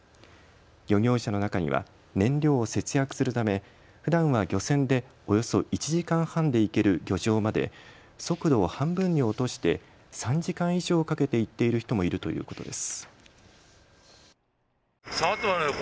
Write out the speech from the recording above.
漁業者の中には燃料を節約するためふだんは漁船でおよそ１時間半で行ける漁場まで速度を半分に落として３時間以上かけて行っている人もいるということです。